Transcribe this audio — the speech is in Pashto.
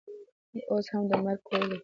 اوس هم د مرګ کور دی.